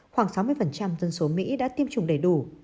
khoảng sáu mươi dân số mỹ đã tiêm chủng đầy đủ